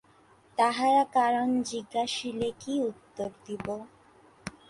তাঁহারা কারণ জিজ্ঞাসিলে কি উত্তর দিব।